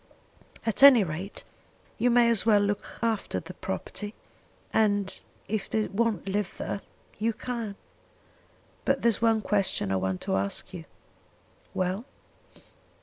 At any rate, you may as well look after the property; and if they won't live there, you can. But there's one question I want to ask you." "Well?"